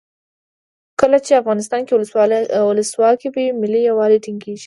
کله چې افغانستان کې ولسواکي وي ملي یووالی ټینګیږي.